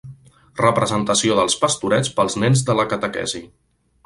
Representació dels pastorets pels nens de la catequesi.